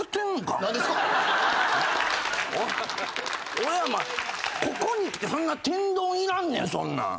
俺はお前ここにきてそんな天丼いらんねやそんな。